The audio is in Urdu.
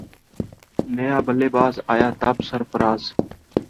نیا بلے باز آیا تب سرفراز